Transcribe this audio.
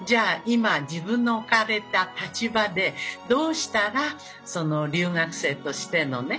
今自分の置かれた立場でどうしたら留学生としてのね